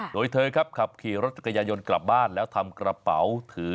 โดยเธอขับขี่รถกระยะยนต์กลับบ้านแล้วทำกระเป๋าถือ